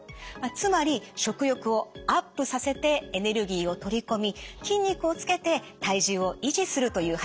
つまり食欲をアップさせてエネルギーを取り込み筋肉をつけて体重を維持するという働きがあるんです。